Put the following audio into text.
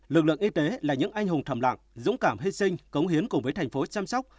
lực lượng y tế là những anh hùng thầm lạc dũng cảm hy sinh cống hiến cùng với thành phố chăm sóc